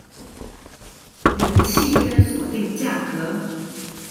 原契約所定價格